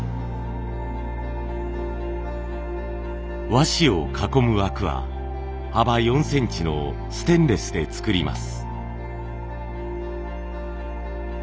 和紙を囲む枠は幅４センチのステンレスで作ります。